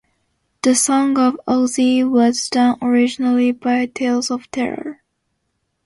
The song "Ozzie" was done originally by Tales of Terror.